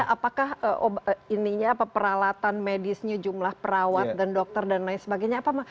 apakah peralatan medisnya jumlah perawat dan dokter dan lain sebagainya